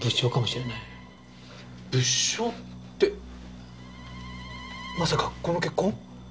物証ってまさかこの血痕？